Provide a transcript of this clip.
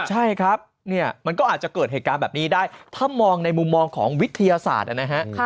ใช่ครับเนี่ยมันก็อาจจะเกิดเหตุการณ์แบบนี้ได้ถ้ามองในมุมมองของวิทยาศาสตร์นะฮะ